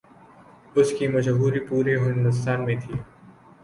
اس کی مشہوری پورے ہندوستان میں تھی۔